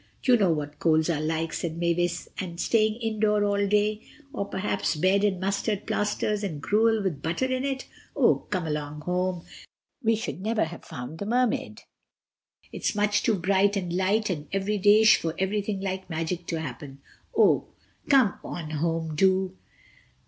"You know what colds are like," said Mavis, "and staying indoors all day, or perhaps bed, and mustard plasters and gruel with butter in it. Oh, come along home, we should never have found the Mermaid. It's much too bright and light and everyday ish for anything like magic to happen. Come on home, do."